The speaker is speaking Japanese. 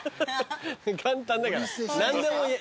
簡単だから。